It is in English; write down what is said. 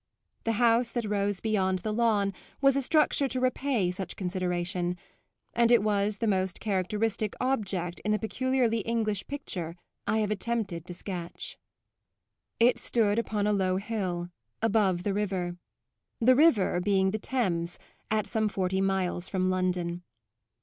The house that rose beyond the lawn was a structure to repay such consideration and was the most characteristic object in the peculiarly English picture I have attempted to sketch. It stood upon a low hill, above the river the river being the Thames at some forty miles from London.